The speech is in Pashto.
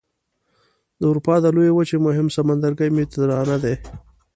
د اروپا د لویې وچې مهم سمندرګی مدیترانه دی.